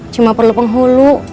cuma perlu penghulu